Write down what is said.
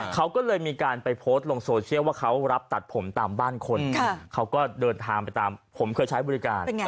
เขาก็เลยมีการไปโพสต์ลงโซเชียลว่าเขารับตัดผมตามบ้านคนเขาก็เดินทางไปตามผมเคยใช้บริการ